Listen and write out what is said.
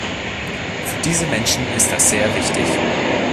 Für diese Menschen ist das sehr wichtig.